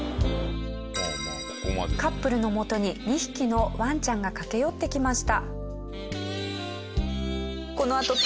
カップルのもとに２匹のワンちゃんが駆け寄ってきました。